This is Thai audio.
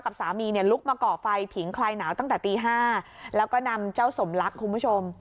สามีเนี่ยลุกมาก่อไฟผิงคลายหนาวตั้งแต่ตี๕แล้วก็นำเจ้าสมรักคุณผู้ชม